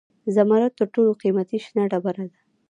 زمرد تر ټولو قیمتي شنه ډبره ده.